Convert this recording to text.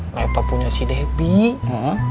laptop punya si debbie